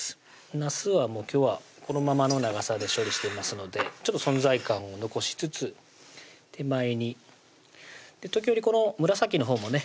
なすは今日はこのままの長さで処理していますのでちょっと存在感を残しつつ手前に時折この紫のほうもね